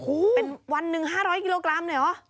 โอ้โหเป็นวันหนึ่ง๕๐๐กิโลกรัมเลยเหรอ